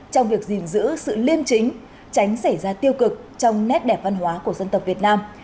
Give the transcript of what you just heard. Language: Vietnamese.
trong việc gìn giữ sự liêm chính tránh xảy ra tiêu cực trong nét đẹp văn hóa của dân tộc việt nam